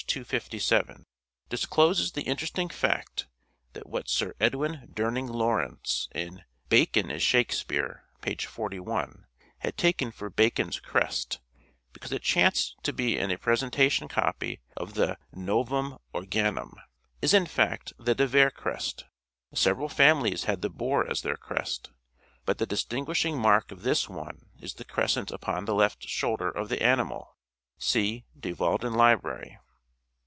257) discloses the interesting fact that what Sir Edwin Durning Lawrence in "Bacon is Shakespeare," (page 41) had taken for Bacon's Crest, because it chanced to be in a presentation copy of the " Novum Organum," is in fact the De Vere Crest. Several families had the Boar as their crest ; but the dis tinguishing mark of this one is the crescent upon the left shoulder of the animal (see " De Walden Library